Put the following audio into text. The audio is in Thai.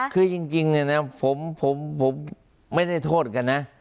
คือจริงเนี่ยนะผมไม่ได้โทษกันนะ